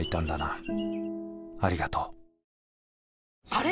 あれ？